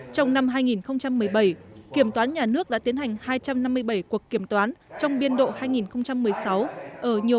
trong năm hai nghìn một mươi bảy kiểm toán nhà nước đã tiến hành hai trăm năm mươi bảy cuộc kiểm toán trong biên độ hai nghìn một mươi sáu ở nhiều